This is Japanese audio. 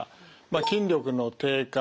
筋力の低下。